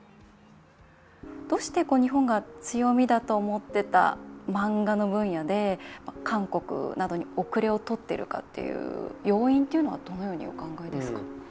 どうして日本が強みだと思ってた漫画の分野で韓国などに後れをとっているかという要因というのはどのようにお考えですか？